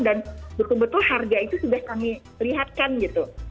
dan betul betul harga itu sudah kami lihatkan gitu